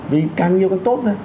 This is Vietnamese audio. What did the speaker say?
vì càng nhiều càng tốt nha